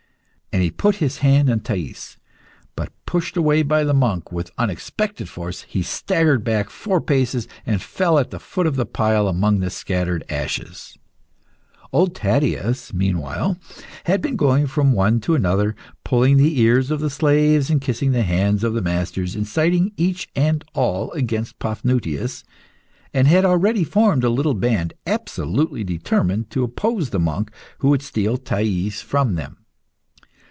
And he put his hand on Thais. But, pushed away by the monk with unexpected force, he staggered back four paces and fell at the foot of the pile amongst the scattered ashes. Old Taddeus, meanwhile, had been going from one to the other, pulling the ears of the slaves and kissing the hands of the masters, inciting each and all against Paphnutius, and had already formed a little band resolutely determined to oppose the monk who would steal Thais from them.